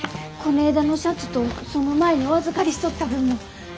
こねえだのシャツとその前にお預かりしとった分も。